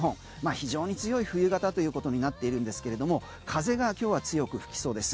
非常に強い冬型ということになっているんですけれども風が今日は強く吹きそうです。